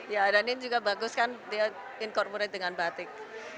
ya dan ini juga bagus kan dia in corporate dengan batik